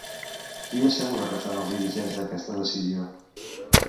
Qui assegura que són els dirigents d'aquesta decisió?